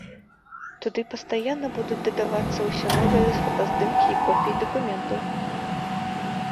Туды пастаянна будуць дадавацца ўсё новыя фотаздымкі і копіі дакументаў.